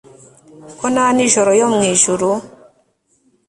Ko na nijoro yo mwijuru